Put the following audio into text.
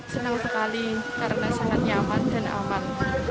senang sekali karena sangat nyaman dan aman